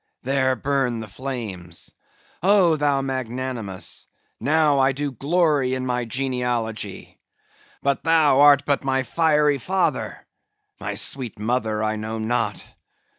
There burn the flames! Oh, thou magnanimous! now I do glory in my genealogy. But thou art but my fiery father; my sweet mother, I know not.